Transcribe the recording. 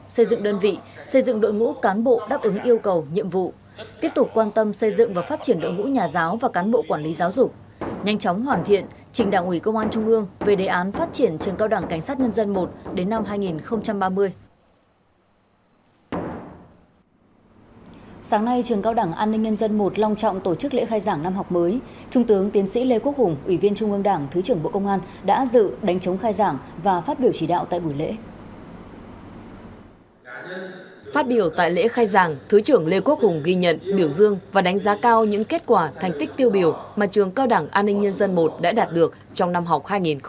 sau những kết quả thành tích tiêu biểu mà trường cao đảng an ninh nhân dân i đã đạt được trong năm học hai nghìn hai mươi hai hai nghìn hai mươi ba